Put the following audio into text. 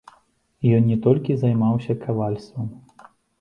Ён не толькі займаўся кавальствам.